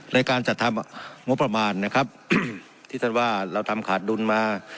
ในการจัดทำงบประมาณนะครับที่ท่านว่าเราทำขาดดุลมา